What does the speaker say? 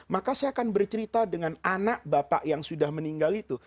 maka saya akan bercerita dengan anak bapak yang sudah meninggal itu